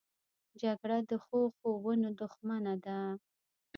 جګړه د ښو ښوونو دښمنه ده